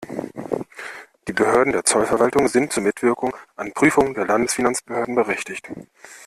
Die Behörden der Zollverwaltung sind zur Mitwirkung an Prüfungen der Landesfinanzbehörden berechtigt.